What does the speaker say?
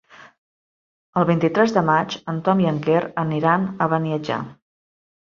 El vint-i-tres de maig en Tom i en Quer aniran a Beniatjar.